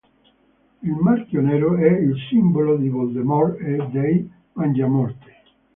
Il Marchio Nero è il simbolo di Voldemort e dei Mangiamorte.